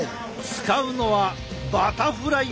使うのはバタフライマシン。